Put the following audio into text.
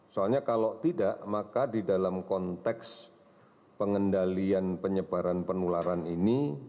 soalnya kalau tidak maka di dalam konteks pengendalian penyebaran penularan ini